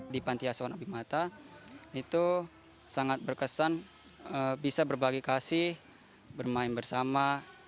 di panti asuhan abimata itu sangat berkesan bisa berbagi kasih bermain bersama